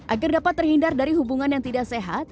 agar dapat terhindar dari hubungan yang tidak sehat